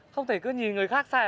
không thể cứ nhìn người khác sai